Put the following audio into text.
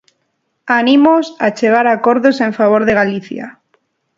Anímoos a chegar a acordos en favor de Galicia.